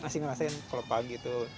masih ngerasain kalau pagi tuh